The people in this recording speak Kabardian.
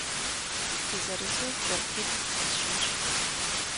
Фи зырызу джатитӏ фхуэсщӏынщ.